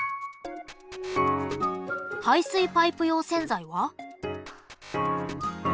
排水パイプ用洗剤は？